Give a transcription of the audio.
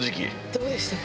どうでしたか？